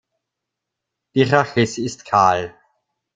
Die Rhachis ist kahl.